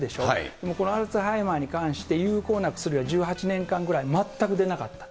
でもこのアルツハイマーに関して、有効な薬は１８年間ぐらい全く出なかった。